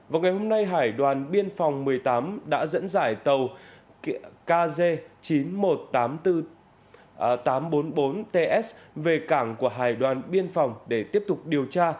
vào ngày hôm nay hải đoàn biên phòng một mươi tám đã dẫn dải tàu kg chín nghìn một trăm tám mươi bốn tám trăm bốn mươi bốn ts về cảng của hải đoàn biên phòng để tiếp tục điều tra